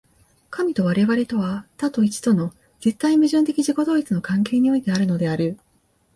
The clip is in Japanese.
神と我々とは、多と一との絶対矛盾的自己同一の関係においてあるのである。